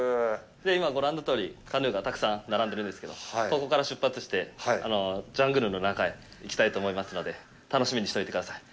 今ご覧のとおりカヌーがたくさん並んでるんですけど、ここから出発して、ジャングルの中へ行きたいと思いますので楽しみにしておいてください。